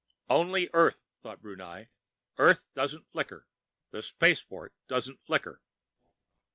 Only Earth! thought Brunei. Earth doesn't flicker, the Spaceport doesn't flicker.